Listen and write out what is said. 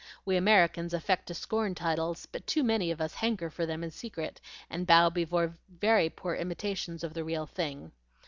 We Americans affect to scorn titles, but too many of us hanker for them in secret, and bow before very poor imitations of the real thing.